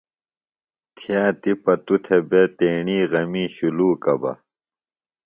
تھیہ تیپہ توۡ تھےۡ بےۡ تیݨی غمیۡ شُلوکہ بہ۔